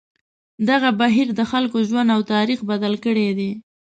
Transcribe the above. دغه بهیر د خلکو ژوند او تاریخ بدل کړی دی.